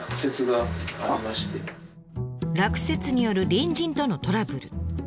落雪による隣人とのトラブル。